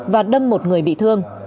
và đâm một người bị thương